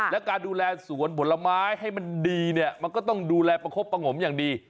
ข้าการดูแลสวนผลไม้ให้มันดูแลประคบประงมอย่างดี